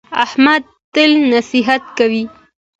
احمد تل نصیحت کوي.